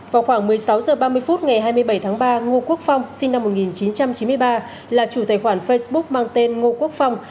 vào khoảng một mươi sáu h ba mươi phút ngày hai mươi bảy tháng ba ngô quốc phong sinh năm một nghìn chín trăm chín mươi ba là chủ tài khoản facebook mang tên ngô quốc phong